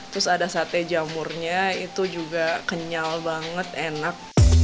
terus ada sate jamurnya itu juga kenyal banget enak